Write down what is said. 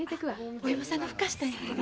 お芋さんふかしたんやけどな。